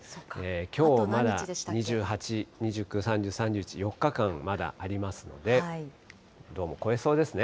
きょうから２８、２９、３０、３１、４日間まだありますので、どうも超えそうですね。